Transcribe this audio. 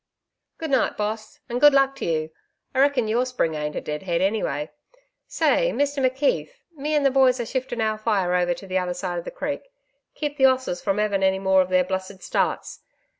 'Good night, boss and good luck to you. I reckon your spring ain't a dead head, anyway.... Say, Mr McKeith, me and the boys are shifting our fire over to the other side of the creek.... Keep the 'osses from hevin' any more of their blessed starts....